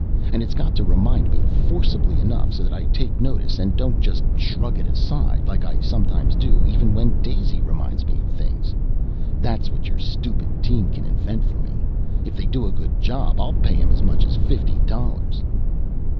And it's got to remind me forcibly enough so that I take notice and don't just shrug it aside, like I sometimes do even when Daisy reminds me of things. That's what your stupid team can invent for me! If they do a good job, I'll pay 'em as much as fifty dollars!"